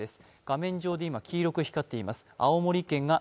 画面上で今、黄色く光っています。